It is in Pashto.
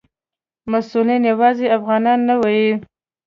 مسؤلین یوازې افغانان نه وو.